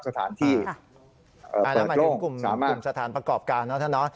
สถานที่เปิดโล่งสามารถอันนั้นหมายถึงกลุ่มสถานประกอบการเนอะท่านเนอะ